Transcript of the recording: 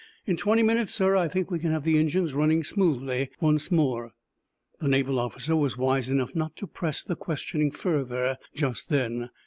In twenty minutes, sir, I think we can have the engines running smoothly once more." The naval officer was wise enough not to press the questioning further just then.